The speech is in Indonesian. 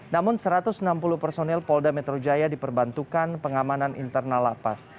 namun satu ratus enam puluh personel polda metro jaya diperbantukan pengamanan internal lapas